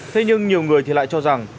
thế nhưng nhiều người lại cho rằng